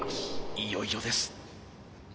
いよいよです。